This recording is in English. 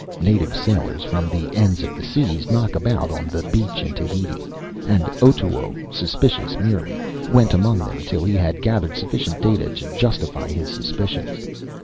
Native sailors from the ends of the seas knock about on the beach in Tahiti; and Otoo, suspicious merely, went among them till he had gathered sufficient data to justify his suspicions.